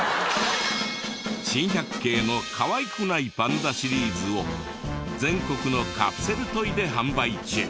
珍百景のかわいくないパンダシリーズを全国のカプセルトイで販売中。